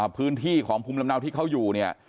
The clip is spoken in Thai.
พื้นที่ของภูมิลำเนาที่เขาอยู่เนี่ย